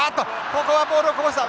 ここはボールをこぼした。